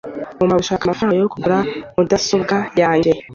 ngomba gushaka amafaranga yo kugura mudasobwa yanjye